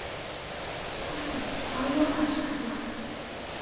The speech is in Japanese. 少し違うような気がします。